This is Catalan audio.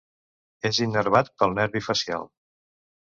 És innervat pel nervi facial.